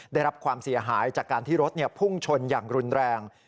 ได้รับความเสียหายจากการที่รถพุ่งชนอย่างรุนแรง